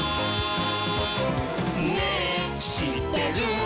「ねぇしってる？」